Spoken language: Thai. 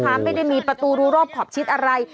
โอ้โหไม่ได้มีประตูรูรอบขอบชิตอะไร